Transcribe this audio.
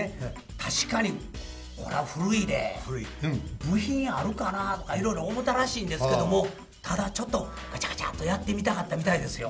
「確かにこら古いで部品あるかな？」とかいろいろ思うたらしいんですけどもただちょっとがちゃがちゃっとやってみたかったみたいですよ。